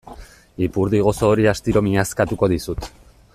Ipurdi gozo hori astiro miazkatuko dizut.